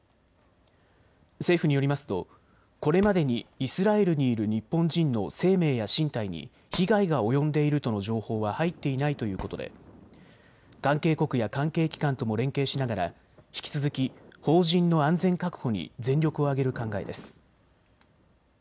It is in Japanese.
政府によりますと、これまでにイスラエルにいる日本人の生命や身体に被害が及んでいるとの情報は入っていないということで関係国や関係機関とも連携しながら引き続き邦人の安全確保に全力を挙げる考えです。